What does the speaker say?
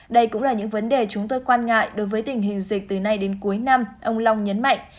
đây cũng là những vấn đề chúng tôi quan ngại đối với tình hình dịch từ nay đến cuối năm ông long nhấn mạnh